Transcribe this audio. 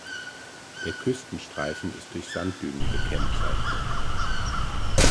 Der Küstenstreifen ist durch Sanddünen gekennzeichnet.